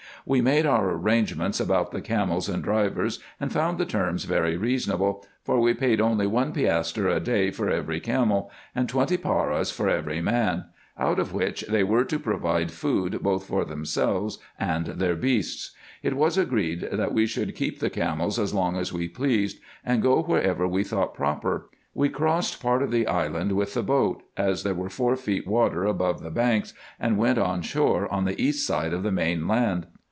We made our arrangements about the camels and drivers, and found the terms very reasonable ; for we paid only one piastre a day for every camel, and twenty paras for every man ; out of which they were to pro vide food both for themselves and their beasts. It was agreed, that we should keep the camels as long as we pleased, and go wherever we thought proper. We crossed part of the island with the boat, as there were four feet water above the banks, and went on shore on the east side of the main land.